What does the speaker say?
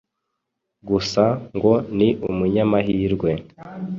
Gusa ngo ni umunyamahirwe